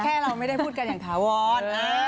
เราไม่ได้พูดกันอย่างถาวร